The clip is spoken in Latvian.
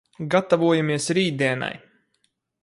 Gatavojamies rītdienai!